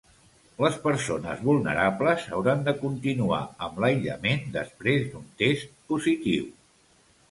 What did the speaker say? Les persones vulnerables hauran de continuar amb l'aïllament després d'un test positiu.